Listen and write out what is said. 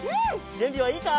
じゅんびはいいか？